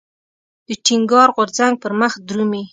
د ټينګار غورځنګ پرمخ درومي.